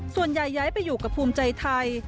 ส่วนใหญ่ไปอยู่กับภูมิใจไทย